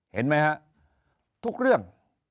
เห็นไหมฮะทุกเรื่อง